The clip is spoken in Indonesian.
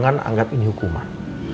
jangan anggap ini hukuman